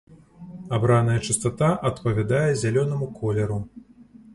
Абраная частата адпавядае зялёнаму колеру.